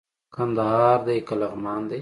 کندهار دئ که لغمان دئ